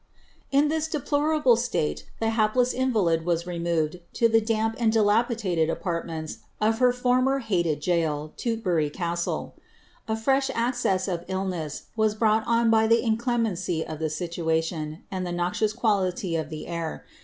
"' In this deplorable state the liapless invalid was removed to the damp and dilapidated apartments of lier former hated gaol, Tutbury Castle.* A fresh access of illness was drought on by the inclemency of the situation, and the noxious quality 3f the air.